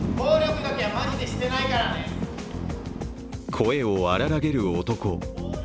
声を荒らげる男。